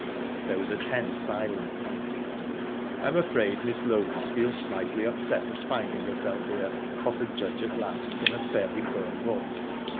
There was a tense silence. "I'm afraid Miss Loment feels slightly upset at finding herself here," offered Judge at last, in a fairly firm voice.